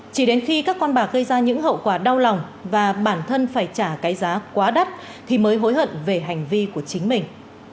chỉ đến khi các con bạc gây ra những hậu quả đau lòng và bản thân phải trả cái giá quá đắt thì mới hối hận về hành vi của chính mình